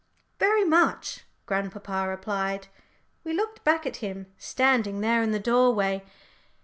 "Very much," grandpapa replied. We looked back at him, standing there in the doorway.